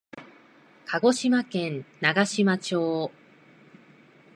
鹿児島県長島町